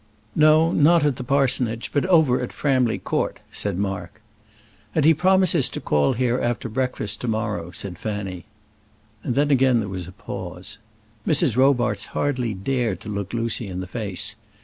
"No, not at the parsonage; but over at Framley Court," said Mark. "And he promises to call here after breakfast to morrow," said Fanny. And then again there was a pause. Mrs. Robarts hardly dared to look Lucy in the face.